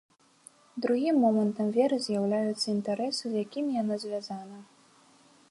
Другім момантам веры з'яўляюцца інтарэсы, з якімі яна звязана.